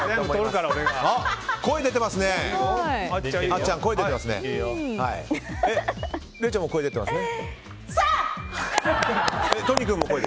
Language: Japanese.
あっちゃん、声出てますね。